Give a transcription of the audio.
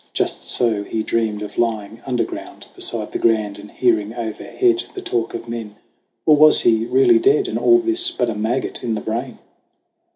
Just so he dreamed of lying under ground Beside the Grand and hearing overhead The talk of men. Or was he really dead, And all this but a maggot in the brain